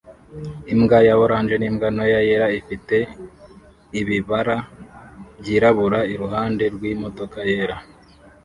Imbwa ya orange n'imbwa ntoya yera ifite ibibara byirabura iruhande rwimodoka yera